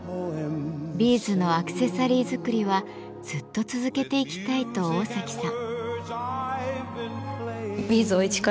ビーズのアクセサリー作りはずっと続けていきたいと桜咲さん。